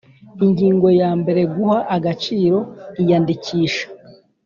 Ingingo ya mbere Guha agaciro iyandikisha